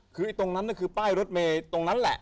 คือตรงนั้นคือป้ายรถเมย์ตรงนั้นแหละ